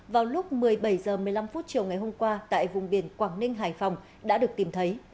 vào lúc một mươi bảy h một mươi năm chiều ngày hôm qua tại vùng biển quảng ninh hải phòng đã được tìm thấy